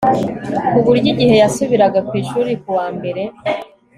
ku buryo igihe yasubiraga ku ishuri kuwa mbere